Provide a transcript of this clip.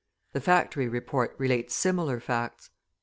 The Factory Report relates similar facts.